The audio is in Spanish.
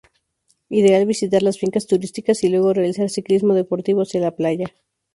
Ideal visitar las fincas turísticas y luego realizar ciclismo deportivo hacia la playa.